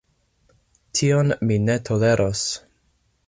Tion mi ne toleros!